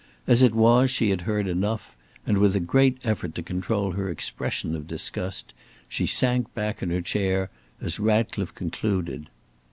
As it was, she had heard enough, and with a great effort to control her expression of disgust, she sank back in her chair as Ratcliffe concluded.